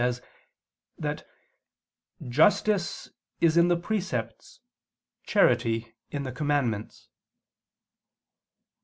says that "justice is in the precepts, charity in the commandments."